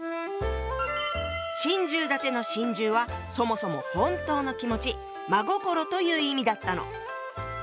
「心中立て」の「心中」はそもそも本当の気持ち真心という意味だったの。